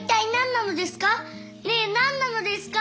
ねえ何なのですか？